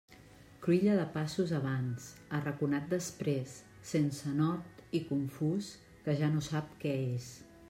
Cruïlla de passos abans, arraconat després, sense nord i confús, que ja no sap què és.